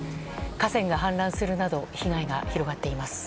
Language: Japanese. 河川が氾濫するなど被害が広がっています。